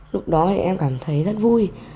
lúc đó thì em cảm thấy rất vui